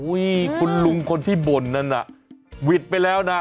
คุณลุงคนที่บ่นนั้นน่ะหวิดไปแล้วนะ